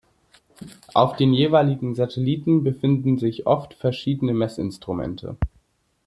Auf den jeweiligen Satelliten befinden sich oft verschiedene Messinstrumente.